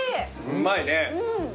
うまいね。